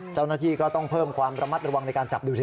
เจ้าหน้าที่ก็ต้องเพิ่มความระมัดระวังในการจับดูสิ